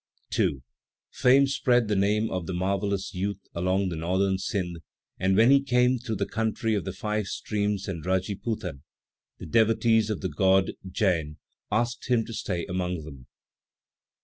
2. Fame spread the name of the marvellous youth along the northern Sindh, and when he came through the country of the five streams and Radjipoutan, the devotees of the god Djaïne asked him to stay among them.